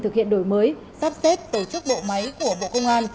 thực hiện đổi mới sắp xếp tổ chức bộ máy của bộ công an